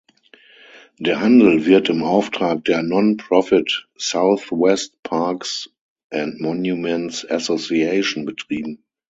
Der Handel wird im Auftrag der non-profit "Southwest Parks and Monuments Association" betrieben.